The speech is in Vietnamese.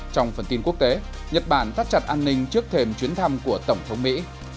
trong phần tin quốc tế nhật bản tắt chặt an ninh trước thềm chuyến thăm của tổng thống mỹ